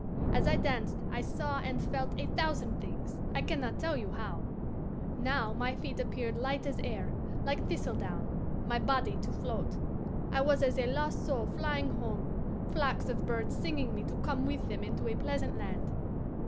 As I danced I saw and felt a thousand things, I can not tell you how. Now my feet appeared light as air, like thistledown, my body to float. I was as a lost soul flying home, flocks of birds singing me to come with them into a pleasant land.